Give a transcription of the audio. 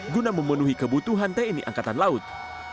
guna memenuhi kebutuhan tni angkatan laut